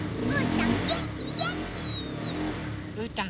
ううーたん！